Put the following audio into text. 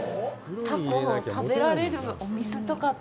タコを食べられるお店とかって。